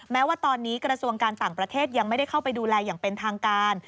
แม้ว่าตอนนี้กระทรวงการต่างประเทศยังไม่ได้เข้าไปดูแลอย่างเป็นทางการ